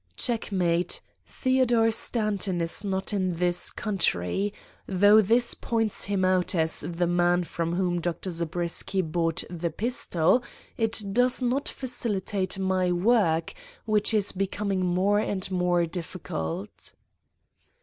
"Checkmate! Theodore Stanton is not in this country. Though this points him out as the man from whom Dr. Zabriskie bought the pistol, it does not facilitate my work, which is becoming more and more difficult.